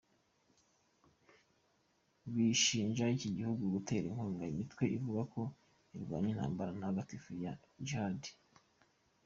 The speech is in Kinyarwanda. Bishinja iki gihugu gutera inkunga imitwe ivuga ko irwana intambara ntagatifu ya Jihad.